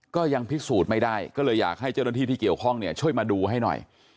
ก็ยังพิสูจน์ไม่ได้ก็เลยอยากให้เจ้าหน้าที่ที่เกี่ยวข้องเนี่ยช่วยมาดูให้หน่อย